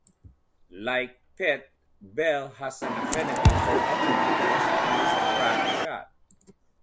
Like Pitt, Bell has an affinity for automobiles and is a crack shot.